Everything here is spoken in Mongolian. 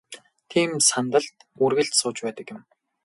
Тийм сандалд үргэлж сууж байдаг юм.